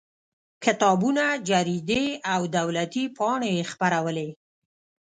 کتابونه جریدې او دولتي پاڼې یې خپرولې.